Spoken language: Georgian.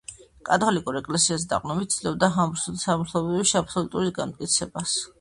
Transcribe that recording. კათოლიკურ ეკლესიაზე დაყრდნობით ცდილობდა ჰაბსბურგთა სამფლობელოებში აბსოლუტიზმის განმტკიცებას.